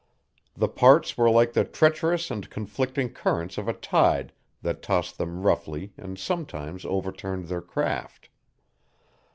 The parts were like the treacherous and conflicting currents of a tide that tossed them roughly and sometimes overturned their craft.